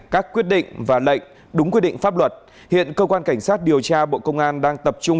các quyết định và lệnh đúng quy định pháp luật hiện cơ quan cảnh sát điều tra bộ công an đang tập trung